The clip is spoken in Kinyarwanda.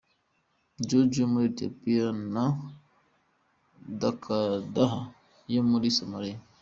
George yo muri Ethiopia na Dakadaha yo muri Somalia.